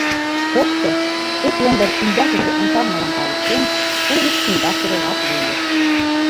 Попшо, эплын дыр ӱмбакыже ончалмылан тауштен, угыч книгашкыже лап лие.